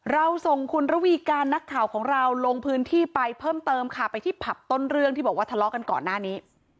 เราส่งคุณระวีการนักข่าวของเราลงพื้นที่ไปเพิ่มเติมค่ะไปที่ผับต้นเรื่องที่บอกว่าทะเลาะกันก่อนหน้านี้